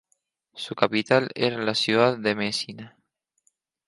Su capital era la ciudad de Mesina.